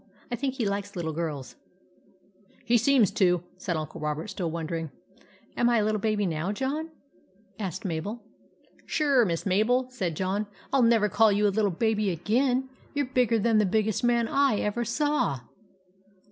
" I think he likes little girls/' " He seems to," said Uncle Robert, still wondering. " Am I a little baby now, John ?" asked Mabel. "Sure, Miss Mabel," said John, " I '11 never call you a little baby again. You 're bigger than the biggest man / ever saw